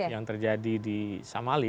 yang terjadi di samali